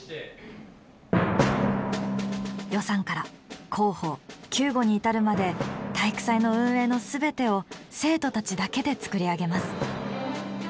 予算から広報救護に至るまで体育祭の運営の全てを生徒たちだけでつくり上げます。